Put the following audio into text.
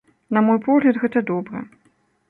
На мой погляд, гэта добра.